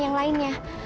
ya bener tuh